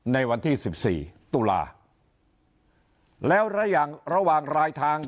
ในวันที่สิบสี่ตุลาแล้วระหว่างระหว่างรายทาง